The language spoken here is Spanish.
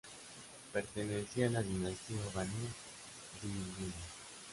Pertenecía a la dinastía Banu Di-l-Nun.